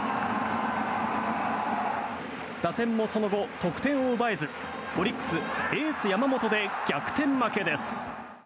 打線もその後、得点を奪えずオリックス、エース山本で逆転負けです。